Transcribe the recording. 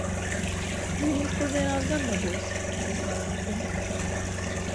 "Vīns pusdienās gan nebūs," iesmēju Gatim.